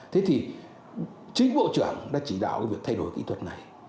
thế thì chính bộ trưởng đã chỉ đạo việc thay đổi kỹ thuật này